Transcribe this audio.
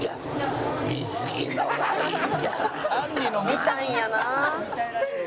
「見たいんやな」